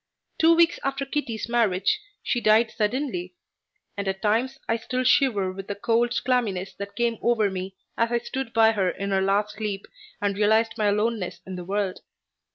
Two weeks after Kitty's marriage she died suddenly, and at times I still shiver with the cold clamminess that came over me as I stood by her in her last sleep and realized my aloneness in the world.